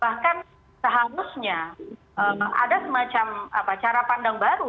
bahkan seharusnya ada semacam cara pandang baru